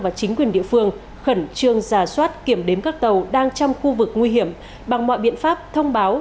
và chính quyền địa phương khẩn trương giả soát kiểm đếm các tàu đang trong khu vực nguy hiểm bằng mọi biện pháp thông báo